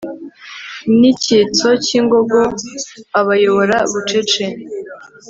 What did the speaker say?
Nicyitso cyingogo abayobora bucece